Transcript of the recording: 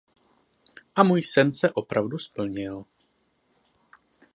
A můj sen se opravdu splnil.